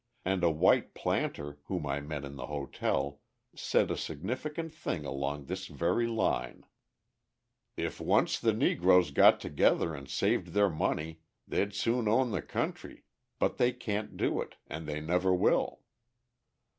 And a white planter, whom I met in the hotel, said a significant thing along this very line: "If once the Negroes got together and saved their money, they'd soon own the country, but they can't do it, and they never will."